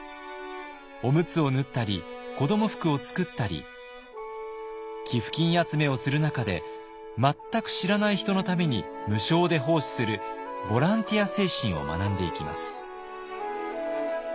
おむつを縫ったり子ども服を作ったり寄付金集めをする中で全く知らない人のために無償で奉仕するボランティア精神を学んでいきます。